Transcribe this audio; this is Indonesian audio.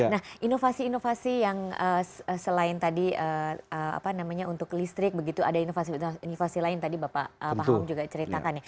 nah inovasi inovasi yang selain tadi apa namanya untuk listrik begitu ada inovasi lain tadi bapak paham juga ceritakan ya